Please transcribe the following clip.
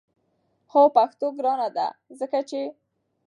هو پښتو ګرانه ده! ځکه چې